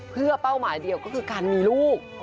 เพื่อเป้าหมายเดียวก็คือการมีลูก